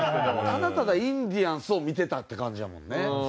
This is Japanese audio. ただただインディアンスを見てたって感じやもんね。